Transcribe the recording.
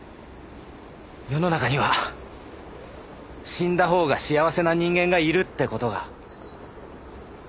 世の中には死んだほうが幸せな人間がいるって事が。